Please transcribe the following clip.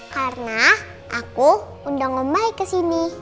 karena aku undang om baik kesini